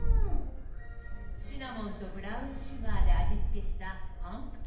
シナモンとブラウンシュガーで味つけしたパンプキン餃子。